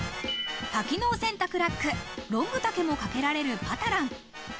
多機能洗濯ラック、ロング丈もかけられるパタラン。